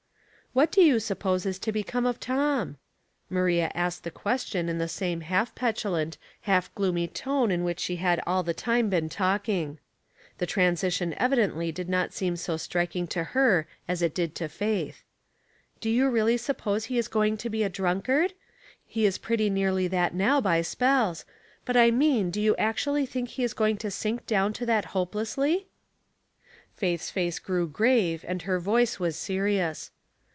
" What do ypw suppose is to become of Tom ?" Maria^sked the question in the same half petulant, half gloomy tone in which she had all the time been talking. The transition evi dentl}^ did not seem so striking to her as it did to Faith. " Do you really suppose he is going to be a drunkard ? He is pretty nearly that now by spells ; but I mean do you actually think he is going to sink down to that hopeless ly ?" Faith's face grew grave and her voice was serious.